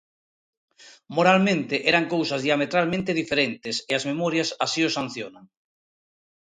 Moralmente eran cousas diametralmente diferentes e as memorias así o sancionan.